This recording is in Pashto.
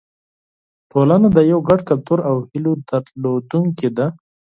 ټولنه د یو ګډ کلتور او هیلو درلودونکې ده.